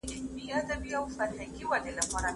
د موقع سره سم خبري کول.